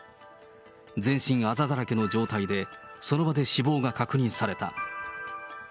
全身あざだらけの状態で、その場で死亡が確認された。